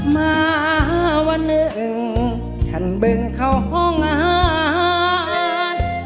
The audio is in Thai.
มาวันหนึ่งฉันบึงเข้าห้องอาหาร